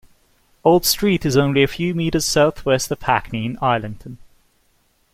Old Street is only a few metres south-west of Hackney in Islington.